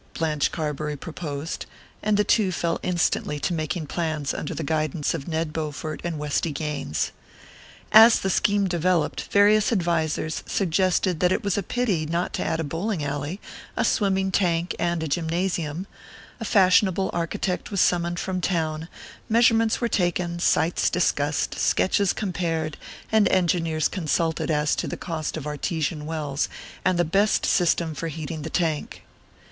Blanche Carbury proposed; and the two fell instantly to making plans under the guidance of Ned Bowfort and Westy Gaines. As the scheme developed, various advisers suggested that it was a pity not to add a bowling alley, a swimming tank and a gymnasium; a fashionable architect was summoned from town, measurements were taken, sites discussed, sketches compared, and engineers consulted as to the cost of artesian wells and the best system for heating the tank.